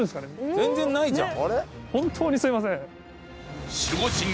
全然ないじゃん。